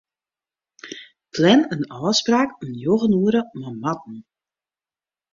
Plan in ôfspraak om njoggen oere mei Marten.